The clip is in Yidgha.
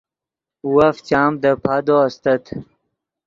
وف چام دے پادو استت